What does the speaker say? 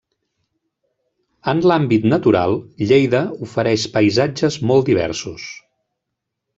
En l'àmbit natural, Lleida ofereix paisatges molt diversos.